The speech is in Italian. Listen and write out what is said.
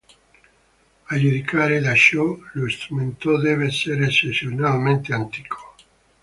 A giudicare da ciò, lo strumento deve essere eccezionalmente antico.